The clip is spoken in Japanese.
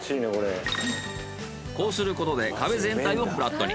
こうすることで壁全体をフラットに。